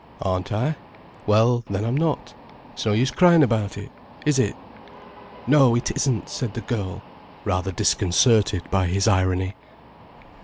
_" "Aren't I? Well, then I'm not. It's no use crying about it, is it?" "No, it isn't," said the girl, rather disconcerted by his irony.